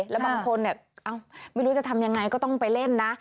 แล้วบางคนไม่รู้จะทำยังไงก็ต้องไปเล่นนะ